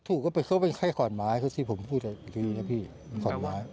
วัตถูกก็เพราะเขาเป็นใคร้ขอนไม้ที่ผมพูดอีกนะพี่ขอนไม้